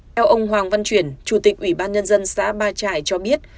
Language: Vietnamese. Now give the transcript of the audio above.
theo ông hoàng văn chuyển chủ tịch ủy ban nhân dân xã ba trải cho biết